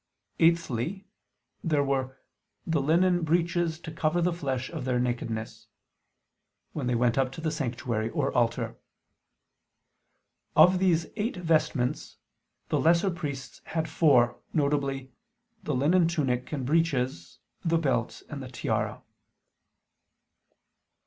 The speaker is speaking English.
Eighthly, there were "the linen breeches to cover the flesh of their nakedness," when they went up to the sanctuary or altar. Of these eight vestments the lesser priests had four, viz. the linen tunic and breeches, the belt and the tiara.